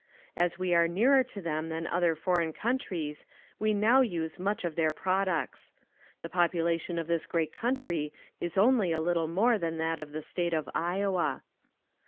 As we are nearer to them than other foreign countries we now use much of their products. The population of this great country is only a little more than that of the state of Iowa.